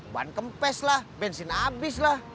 ban kempes lah bensin abis lah